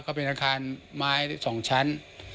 ก็เป็นอาคารไม้๒ชั้น